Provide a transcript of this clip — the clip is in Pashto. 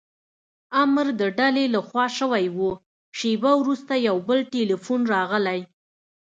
امر د ډلې له خوا شوی و، شېبه وروسته یو بل ټیلیفون راغلی.